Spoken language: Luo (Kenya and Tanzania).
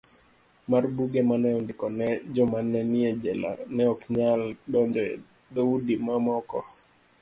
mar Buge ma ne ondikone jomane nie jela neoknyal donjo e dhoudi mamoko.